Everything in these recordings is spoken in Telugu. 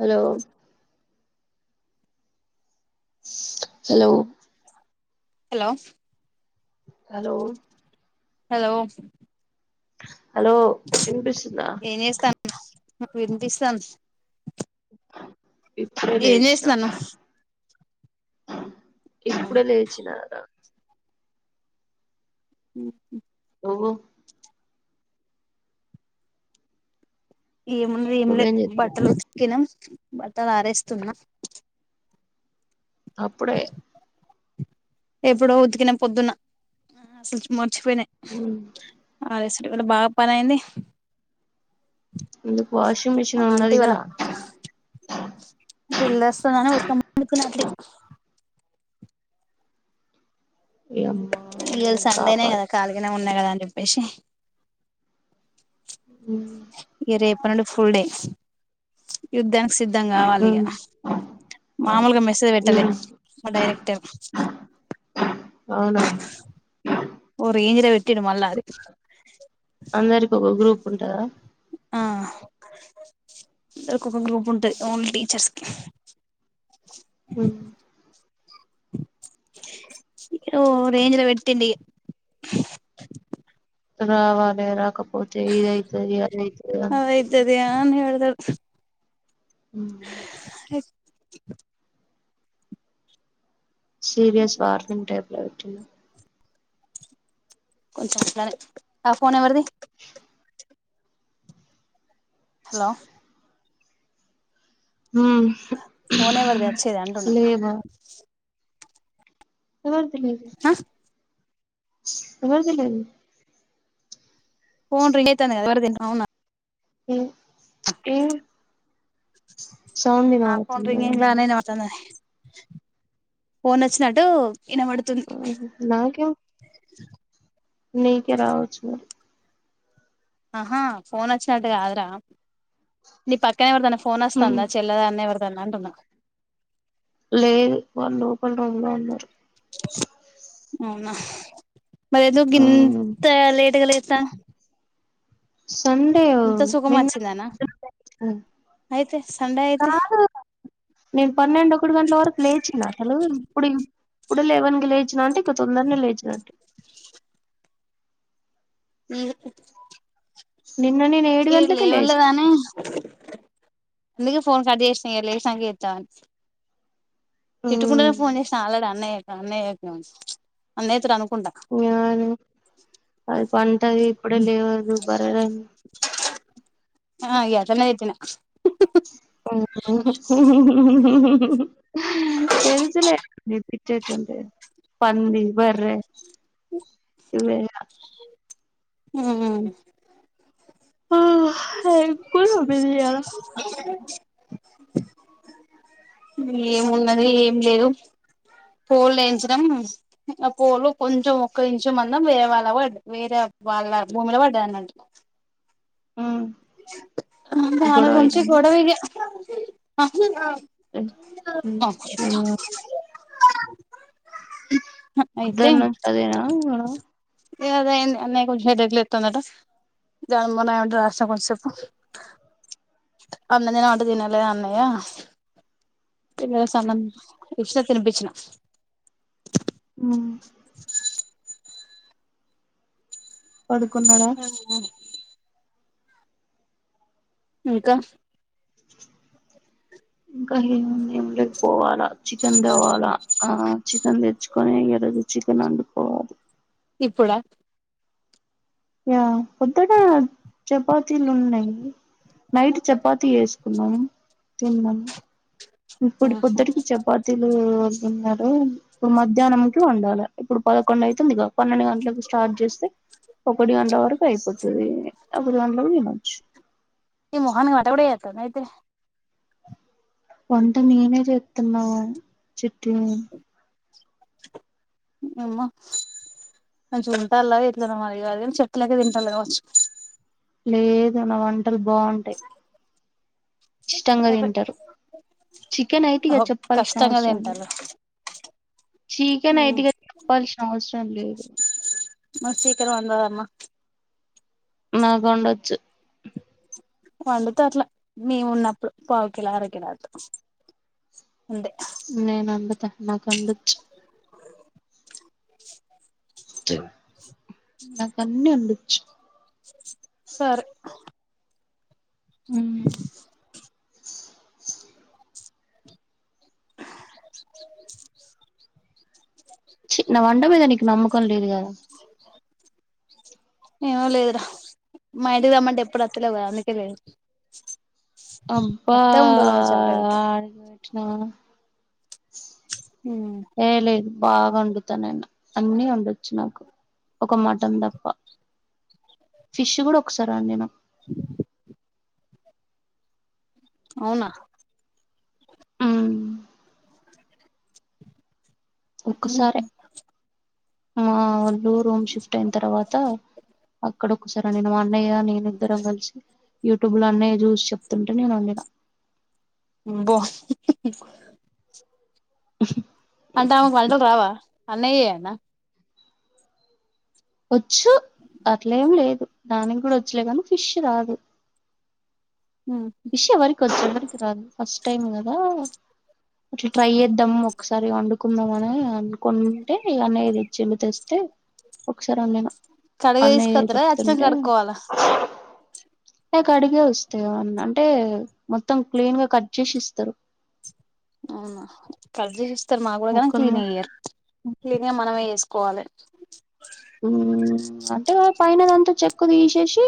Hello hello hello hello hello hello ఇన్ పిస్తుందా నాకు వినిపిస్తంద్ ఇప్పుడే లేచిన ఇప్పుడే లేచినద ఓ ఏమున్నది ఏం లే నువ్వేం చేస్తున్నావ్ బట్టలు ఉతికినా బట్టలు అరేస్తున్నా అప్పుడేయి ఎప్పుడో ఉతికినా పొద్దున సచు మోర్ వచ్చిపోయినాయి అలాసు ఇవాళ బాగా పని అయింది ఎందుకు వాషింగ్ మిషిన్ ఆంటీ ఉన్నది గా వాళ్ళ బిల్ వస్తది అని ఉతకామని చెప్పింది అంటీ యమ్మ నీ ఇయ్యాల సండేనే కాపాడు కదా కాలిగానే ఉన్న కదా చెప్పి ఏషే ఇగా రేప నుండు ఫుల్ డే యుద్ధనికి సిద్ధం కావాలి ఇగ మ్ మామలుగా మెసేజ్ పెట్టలే మ్ మ డైరెక్టర్ అవునా ఓ రేంజ్లో కడుమల్లది కుంటారా ఆ కుకింగ్ గ్రూప్ ఉంట ఓన్లీ టీచర్స్ కి హ ఓ రేంజ లో వెడితేడి త రావాాలే రాక పోతే ఈ రైతు అైతు అదయితది అని పెడతాడు ఉ సీరియస్ వార్నింగ్ టైబ్ కొంచెం ఇలానే ఆ ఫోన్ ఎవరిది హలో పోనే వదా వచ్చేద అంటన్నా లేవా సబరి త ఎరి ఆ కన్నాడి పోోన్ ర అయితేద అవునా ఏ ఏ సౌడిిన నా ఫోన్ వతుంది మేడం రింగింగ్ లానే వినపడుతుంది ఫోన్ వచ్చినటు వినబడుతుంది నాకేం నీకే రావచ్చు మరి ఆహా ఫోన్ వచ్చినట్టు కాదురా నీ పక్కనే ఎవరు దాన్న ఫోన్ హ్మ్ వస్తాందా చెల్లదా అన్న ఎవరు అదా నాంటన్నా లేదు వాళ్ళు లోపలగా ఉన్నారు అవునా మరిదు హ్మ్ ఇంత లేట్గాలతా సండే ఇంత సుఖం నిన్న వచ్చిందానా అయితే సండే అయితే కాదు నేను పన్నెండు ఒకటి గంటల వరకు లేచినతలు ఇప్పుడు ఇప్పుడు లేవన్కి లేచిన అంటే ఇంక తొందరనే లేచినట్టు మీ నిన్న నేను ఏడ్ గంట్లకి లేసిన అందుకే ఫోన్ కట్ చేసిన ఇంగ లేసినక చేద్దాం అని తిట్టుకుంటేనే హ్మ్ ఫోన్ చేసినా ఆలాడు అన్నయ్య అన్నయ్య అను అన్నయ్య న అది పంటది ఇప్పుడే లేవదు బరద అ ఊహూ ఊహూ ఊహూ తెలుసులే ఎప్పుడు ఇచ్చే చోటే పంది బర్రే ఇవ్వే హు హు కహు అయిపోదు మిదిగా ఏమున్నది ఏం లేదు పోలు వే ల్యించడం ఆ పోలు కొంచెం ఒక్క ఇంచు మందం వేరే వాళ్ళ ప వేరే వాళ్ళ భూమిలో పడ్డారు అన్నట్ ఉమ్ దాని గొడవ గురించి అయితుంది గోడవిగా అస్తున్నా హు వచ్చా ఆ పొద్దున పదేనా ఏ అదే అయ్యింది అన్నయ కొచ్చేతట్ల వతున్నా జ మ రా కొం చె అన్నదేనా అంట తినాల అన్నయ ఇ సమన్ ఇషత్త్ తినిపించిన ఉ పడుకున్నాడా ఉ ఉ ఇంకా ఇంకా ఏముంది ఏం లేద్ పోవాలా చికెన్ తేవాలా ఆ చికెన్ తెచ్చుకొని ఈ రోజు చికెన్ వండుకోవాలి ఇప్పుడా యా పొద్దగా చపాతీలు ఉన్నాయి నైట్ చపాతీ వేసుకున్నాము తిన్నం ఇప్పుడు ఆహా పొద్దుటికి చపాతీలు రోన్నారు ఇప్పుడు మధ్యాహ్నంకి వండాలి ఇప్పుడు పదకొండు అవుతుంది కా పన్నెండు గంటలకు స్టార్ట్ చేస్తే ఒకటి గంటల వరకు అయిపోతది ఒకటి గంటలకు తినచ్చు ఈ మోహనీకి వంట కూడా చేస్తందా అయితే వంట నేనే చెతన్నా చిట్టీ అమ్మా కొంచం వింటాల ఎట్లనా మరి కాదు కాని చెట్లేక తింటలే కావచ్చు లేదు నా వంటలు బాగుంటాయి ఇష్టంగా తింటరు చికెన్ ఐతే ఇగా చెప్పాల్సిన కష్టంగా అవసరం లే తింటారు చికెన్ ఐతే ఇగా చెప్పాల్సిన అవసరం లేదు మరి చికెన్ వందదమ్మా నాకు వండొచ్చు వండుత అట్లా మేము ఉన్నప్పుడు పావు కిల అర కలా అటా ఉంతే నేను వండుత నాకు అన్నొచ్చు అ నా కన్నీ వండోచ్చు సరే చీ నా వంటమీదా నీకు నమ్మకం లేదు కదా ఏమో లేదురా మా ఇంటికి రమ్మంటే ఎప్పుడు వతలేవు కదా అందుకే లేదు అబ్బా వత్తే ఉండదు కావచ్చు అటో ఇటో ఆట్నా ఏ లేదు బాగా వండుతా నేను అన్ని వండొచ్చు నాకు ఒక మటన్ తప్ప ఫిష్ కూడా ఒకసారి వండినా అవునా ఒక్కసారే మా వాళ్ళు రూమ్ షిఫ్ట్ అయిన తర్వాత అక్కడ ఒక్కసారి నేను మా అన్నయ్య నేను ఇద్దరం కలిసి యూట్యూబ్ లో అన్నయ్య చూసి చెప్తుంటే నేను వండినా అబ్బో అంటే ఆమెకు వంటలు రావా అన్నయ్యేనా వచ్చు అట్లేం లేదు దానికి కూడ వచ్చలే కానీ ఫిష్ రాదు విషయ వరకు వచ్చాడ రా ఫస్ట్ టైమ్ గదా అట్ల ట్రై చేద్దాం ఒకసారి వండు కొందమని అనుకుంటే ఇలానే జమిత వస్తే ఒకసారి వండినా కడిగే తీసుకొత్తరా వచ్చినంగా కడుకోవాల లే కడిగే వస్తాయి అంటే మొత్తం క్లీన్ గా కట్ చేసి ఇస్తరు అవునా కట్ చేసి ఇస్తరు మాకు కూడ గన క్లీన్ ముక్కలు గా ఇయ్యరు క్లీన్ గా మనమే చెస్ కోవాలే అంటే పైన దాంతో చెక్కు తీసేసి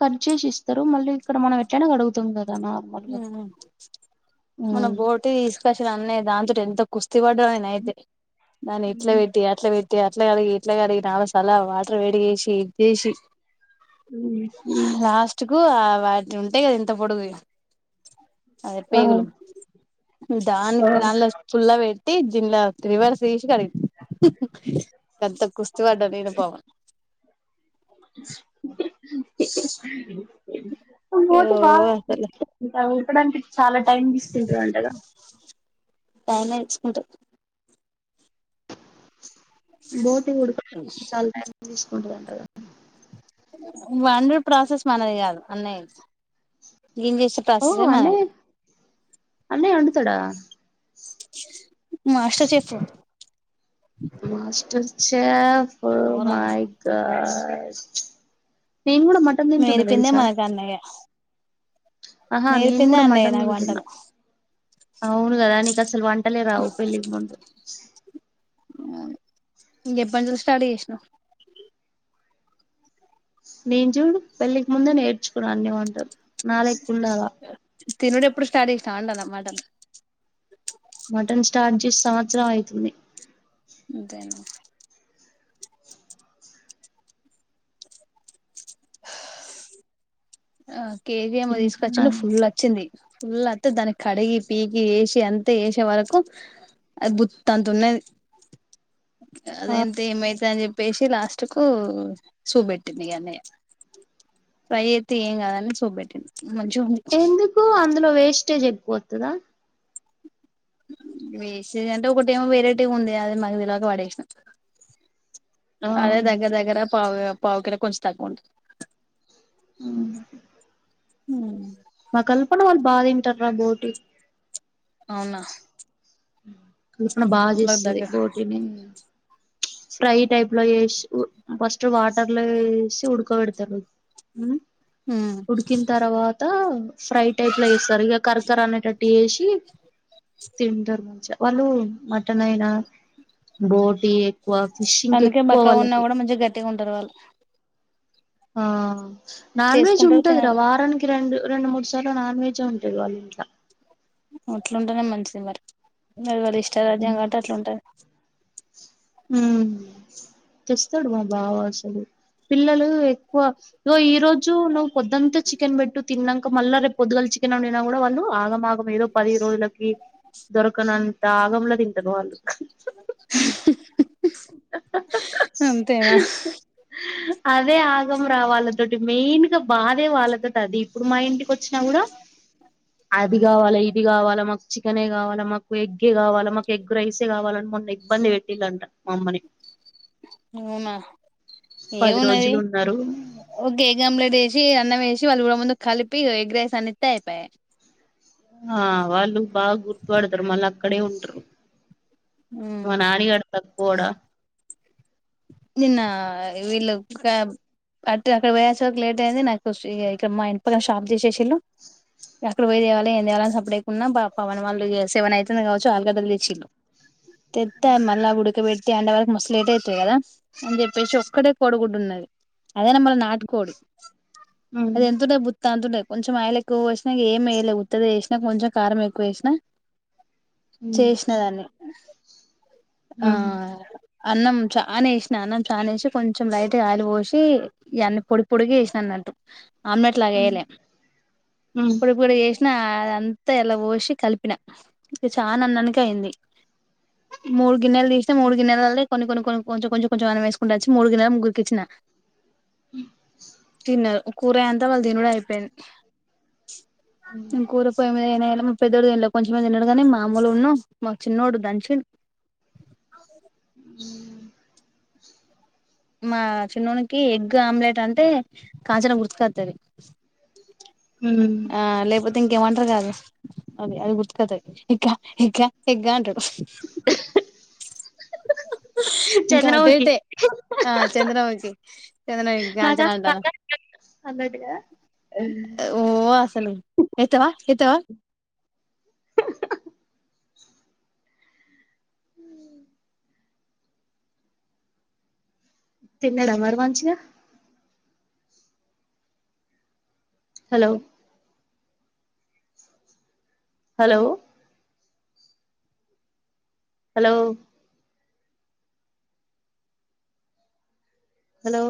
ఖర్చ చేసి ఇస్తారు మళ్ళీ ఇక్కడ మనం ఎట్లానా అడుగుతుంది కదా నార్మల్గా మన బోటు తీసుకొచ్చిన అన్నయ దాంతో ఎంత కుస్త తివడ్రోే అయితే నా ఇట్ల పెట్టి అట్ల భేటీటి అ ఇట్లా కలిగి ఇట్లా కలిగి నాలో సల వాటర్ వేడిగేసి ఇదిేసి లాస్ట్ కు వాటి ఉంటాయి కదా ఇంత పొడుగు అదే ఆ పేగుల దా నా ఫుల్ే అేజజిలా తివేళ శష కడ ఎంత కుస్తీ పడ్డా నేను పోవను ఓ పోటి అసలు బాగా ఇప్పడానికి చాలా టైం తీస్తుంటాారుంటగా టైనే ఎంచుకుంట బోటి ఉడుక చాలా ట తీసుకుంటడి అ వండర్ ప్రాసెస్ మనది కాదు అన్నయ్య క్లీన్ చేసే ఓ ప్రాసెసే అన్నే మనది అన్నే ఉం తడ మాస్టర్చేఫ మాస్టర్స్ చె ఘోరంగా మయకా నను కూడా కూడా మటన్ తన్ చూంట నేర్పిందే వెలుసా మనకు అన్నయ్య ఆహా నేను నేర్పిందే అన్నాయి నాకు వంటలు అవును కదా నీకు అసలు వంటలే రావు పెళ్లికి ముందు స ఇంక ఎబ్బజలు స్టార్ట్ చేసిన నేను చూడు పెళ్ళికి ముందే నేర్చుకున్నా అన్న ఉంటారు నాళకుళవాా తినుడు ఎప్పుడు స్టార్ట్ ఇస్తాం అంటాలన్నమాటలు మటన్ స్టార్ట్ చేసి సంవత్సర అయితుంది అదేనా ఆ కెబిఎంకి తీసుకొచ్చిండు తింటున్నాను ఫుల్ వచ్చింది. ఫుల్ అంతే దాని కడిగి పీకి ఏసి అంతే ఏసే వరకు అది భుత్తంతున్నది అదంతా ఏమైతాంది. ప్పేసి లాస్ట్ కు చూపెట్టింది ఇగ అన్నిగా ఫ్రై అయితే ఏం కాదని చూపెట్టింది. ఎందుకు అందులో వేస్టేజ్ ఎక్కువత్తదా. వేస్టేజ్ అంటే ఒకటేమో వెరైటీగా ఉంది అది మనకి తెలవక పడేస్న. అదే అవును దగ్గర దగ్గర పావు పావు కన్నా కొంచెం తగ్గుంట్ ఊహు హ్మ్ మా కల్పన వాళ్ళు బాతింటర్ రా బోటి. అవునా కల్పన బాగా వాళ్ళకి చేస్తది దగ్గర బోటినిన్ ఫ్రై టైప్ లో చేస్ ఉ ఫస్ట్ వాట్ టర్లో ఏసి ఉదక పెడతారుగా. ఉమ్ ఉడికిన తర్వాత ఫ్రై టైప్ లో వేస్తరు. ఇక కరకర అనేటట్టు వేసి తిన్ మంచిగ వాళ్ళూ మటనైనా బోట్ టీ ఎక్కువ ఫిషింగ్ కెక్కువ వాళ్ళకి ట్టి గుంటరు వాళ్ళు ఆ నాన్ వెజ్ చేసుకుంటారు ఉంటది రా తినాలి వారానికి రెండు రెండు మూడు స్ చాలా నాన్ వెజ్ యే ఉంటది వాళ్ళ ఇంట్లో. అట్లుంటేనే మంచిది మరి మరి వలి ఇష్టారాజ్యం కాబట్టి అట్లుంటది. ఊ తెస్తడు మా బావ అసలు పిల్లలు ఎక్కువ ఇగో ఈ రోజు నువ్వు పొద్దంతా చికెన్ పెట్టు తిన్నాక మళ్ళా రేపు పొద్దు చికెన్ వండినా కూడా వాళ్ళు ఆగమాగం. వేదో పది రోజులకి దొరకనంత ఆ మామూలుగా తింటరు వాళ్ళు అంతేనా అదే ఆగం రా వాళ్ళతోటి మెయిన్ గా బాధే వాళ్ళతో టది ఇప్పుడు మా ఇంటికి వొచ్ చ్చినా గూడా అది గావాలే ఇద్ ఇగ వాళ్ళ మాక్ చికెనే కావాలా మాకు ఎగ్గే కావాలా మాకు ఎగ్ రైసే కావాలని మొన్న ఇబ్బంది పెట్టిండంట మమ్మని అవునా, పది ఏమున్నది? రోజులు ఉన్నారు ఒక ఎగ్ ఆమ్లెట్ ఏసి అన్నం ఏసి వాళ్ళు పొ ముందు కలిపి ఇగ ఎగ్ రైస్ అన్న ఇత్తె ఐపాయే. ఆ వాళ్ళు బాగ గుర్తుపడతరు, మళ్ళ అక్కడే ఉంటరు. మా నానిగడు తక్కువోడ? నిన్న వీళ్ళు క్యాబ్ అంటె అక్కడ పోయొచ్చే వరకు లేట్ అయింది, నాకు ఇగ ఇక్కడ మా ఇంటిపక్కన షాప్ తీసేసిళ్ళు. ఇగ అక్కడ పోయ్ దేవాలె, ఏం దేవాలని సప్పుడేకున్న. బా పవన్ వాళ్ళు ఇగ సెవెన్ అవుతుంది కావచ్చు, ఆలుగడ్డల్ తెచ్చిళ్ళు. తెత్తే మళ్ళ అవి ఉడకబెట్టి అండేవరకు మస్తు లేట్ అయితది గదా. అని జేప్పేసి ఒక్కడే కోడి గుడ్డు ఉన్నది, అదైన మళ్ళ నాటు కోడి. ఉమ్ అది ఎంతుంటది బుత్తంత ఉంటది. కొంచెం ఆయిలెక్కువ పోసి ఇగ ఏం ఏయేలే ఉత్తదే జెస్ నాకు కొంచెం కారం ఎక్కువ యేసిన ఉమ్ చేసిన దాన్ని. ఆ ఉమ్ అన్నం చానేసి అన్నం చానేసి కొంచెం లైట్ తె ఆయిలు పోసి ఇయన్ని పొడి పొడిగ వేసినన్నట్టు. ఆమ్లెట్ లాగ యేయలె, పొడి పొడి చేసినా అది అంత ఎల్ల పోసి కలిపిన, ఇది చాన అన్నానికి అయింది. మూడు గిన్నెల్ దీస్తే మూడు గిన్నెలల్ల కొన్ని కొన్ని కొ కొంచెం కొంచెం. కొంచెం అన్నం ఏసుకుంట వచ్చి ముడు గిన్నెల ముగ్గురికిచ్చిన. తిన్నరు. కూరగాయంత వాల్ దీనుడే అయిపెంది. నెన్ కూర పోయి మీద ఏయనే ఏయ్యలె. పెద్దోడు తిన్లె. కొంచమే తిన్నడుగని, మా అమ్ములు ఉన్నూ మ చిన్నోడు దంచిండు. ఉమ్ మా చిన్నోడికి ఎగ్ ఆమ్లెట్ అంటే కాంచన గుర్తుకత్తది. ఉమ్ ఆ లేేపో ఇంకేమో అంటర్ గాదు, అది అది గుర్తుకత్తది ఎగ్గ ఎగ్గ ఎగ్గ అంటడు. ఇంకా అటు చంద్రముఖి. ఇటే ఆ చంద్రముఖి చంద్రముఖి నాకా కాంచన అంటాన నాకా నాకా అన్నట్టుగా. ఓ అసలు ఎత్తవా ఎత్తవా. తిన్నడా మరి మంచిగ? Hello hello hello hello